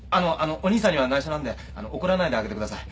お兄さんにはないしょなんであの怒らないであげてください。